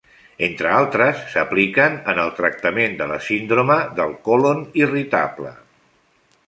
Entre altres s'apliquen en el tractament de la síndrome del colon irritable.